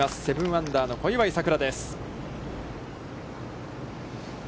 ７アンダーの小祝さくらです。